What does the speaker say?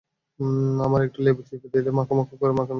এবার একটু লেবু চিপে দিয়ে মাখো মাখো করে নামিয়ে পরিবেশন করুন।